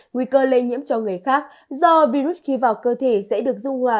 nguy cơ lây nhiễm cho người khác do virus khi vào cơ thể sẽ được dung hòa